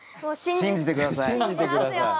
信じてください。